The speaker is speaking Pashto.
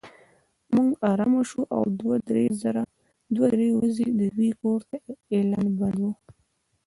موږ ارامه شوو او دوه درې ورځې د دوی کور ته اعلان بند و.